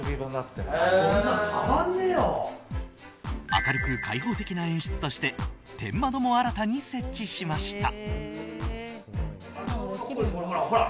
明るく開放的な演出として天窓も新たに設置しました。